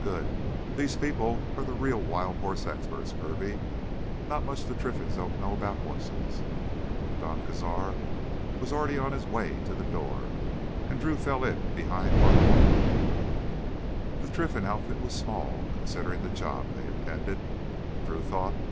"Good. These people are the real wild horse experts, Kirby. Not much the Trinfans don't know about horses." Don Cazar was already on his way to the door and Drew fell in behind Bartolomé. The Trinfan outfit was small, considering the job they intended, Drew thought.